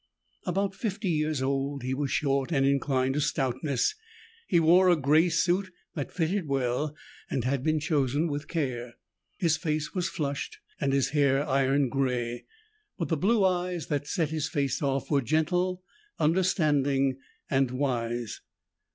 About fifty years old, he was short and inclined to stoutness. He wore a gray suit that fitted well and had been chosen with care. His face was flushed and his hair iron gray. But the blue eyes that set his face off were gentle, understanding and wise.